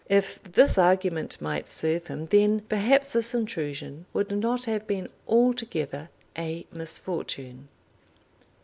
If this argument might serve him, then perhaps this intrusion would not have been altogether a misfortune.